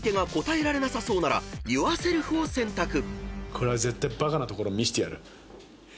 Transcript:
「これは絶対バカなところ見せてやる」